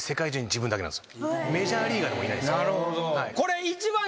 メジャーリーガーでもいないんですよ。